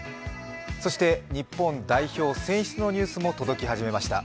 そして日本代表選出のニュースも届き始めました。